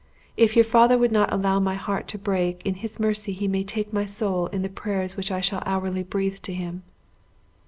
If your Father would not allow my heart to break, in his mercy he may take my soul in the prayers which I shall hourly breathe to him!"